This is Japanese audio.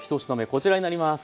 こちらになります。